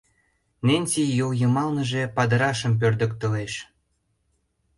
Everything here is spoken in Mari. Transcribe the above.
Ненси йол йымалныже падырашым пӧрдыктылеш.